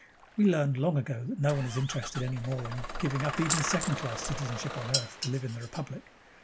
"We learned long ago that no one is interested any more in giving up even second class citizenship on Earth to live in the Republic.